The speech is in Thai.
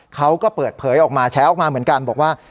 เขาก็เปิดเผยออกมาแฉออกมาเหมือนกันบอกว่า